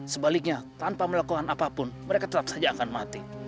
sebaliknya tanpa melakukan apapun mereka tetap saja akan mati